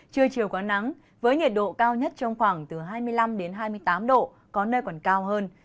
trưa chiều có nắng với nhiệt độ cao nhất trong khoảng từ hai mươi năm hai mươi tám độ có nơi còn cao hơn